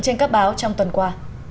trên các báo trong tuần qua